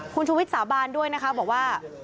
คุณชูวิทย์สาบานด้วยนะคะบอกว่า